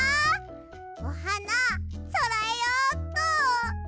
おはなそろえようっと！